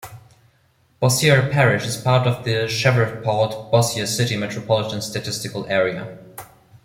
Bossier Parish is part of the Shreveport-Bossier City Metropolitan Statistical Area.